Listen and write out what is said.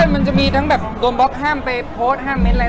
มันจะมีทั้งแบบโดนบล็อกห้ามไปโพสต์ห้ามเน้นอะไร